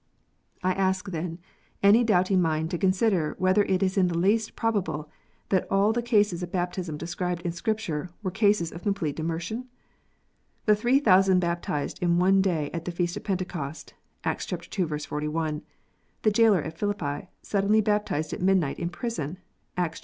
I ask, then, any doubting mind to consider whether it is in the least probable that all the cases of baptism described in Scripture were cases of complete immersion ? The three thousand baptized in one day at the feast of Pentecost (Acts ii. 41), the jailor at Philippi suddenly baptized at midnight in prison (Acts xvi.